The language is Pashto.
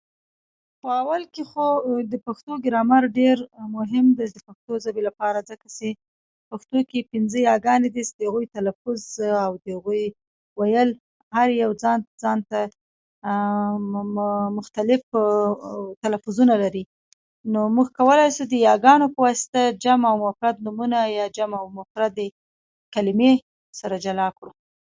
په اول کې خو د پښتو ګرامر ډیر مهم دی چې ځکه چې پښتو کې پینځه یاګانې دي چې د هغوی تلفظ د هغوی ویل هر یو ځانته ځانته مختلف تلفظونه لري نو موږ کولای شو د یا ګانو په وسیله جمع یا مفرد نومونه یا جمع او مفرې کليمي سره جلا کړو